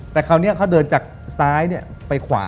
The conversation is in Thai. แต่คราวนี้เขาเดินจากซ้ายไปขวา